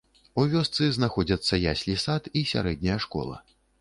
У вёсцы знаходзяцца яслі-сад і сярэдняя школа.